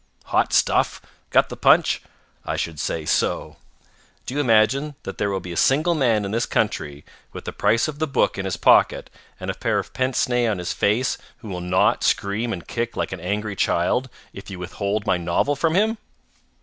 Hot stuff? Got the punch? I should say so. Do you imagine that there will be a single man in this country with the price of the book in his pocket and a pair of pince nez on his face who will not scream and kick like an angry child if you withhold my novel from him?